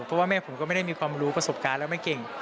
เพราะว่าแม่ผมก็ไม่ได้มีความรู้ประสบการณ์แล้วไม่เก่ง